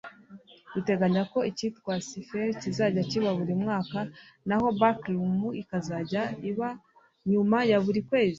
Duteganya ko icyitwa cypher kizajya kiba buri mwaka naho backroom ikazajya iba nyuma ya buri kwezi”